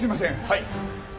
はい。